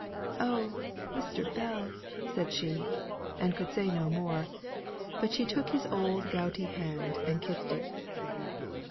"Oh, Mr. Bell," said she and could say no more. But she took his old gouty hand, and kissed it.